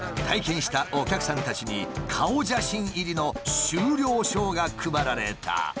体験したお客さんたちに顔写真入りの終了証が配られた。